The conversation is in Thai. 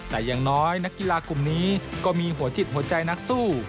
แต่อย่างน้อยนักกีฬากลุ่มนี้ก็มีหัวจิตหัวใจนักสู้